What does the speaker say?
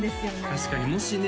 確かにもしね